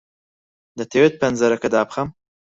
دەتەوێت پەنجەرەکە دابخەم؟